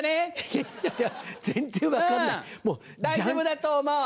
大丈夫だと思う！